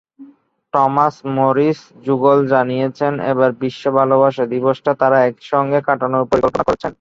Thomas-Morris যুগল জানিয়েছেন, এবার বিশ্ব ভালোবাসা দিবসটা তাঁরা একসঙ্গে কাটানোর পরিকল্পনা করছেন।